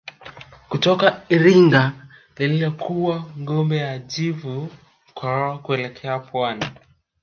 Kutoka Iringa ilikokuwa ngome ya Chifu Mkwawa kuelekea pwani